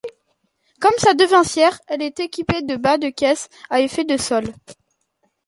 Comme sa devancière, elle est équipée de bas de caisse à effet de sol.